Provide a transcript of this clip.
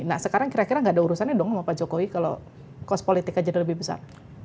nah sekarang kira kira nggak ada urusannya dong sama pak jokowi kalau kos politik aja lebih besar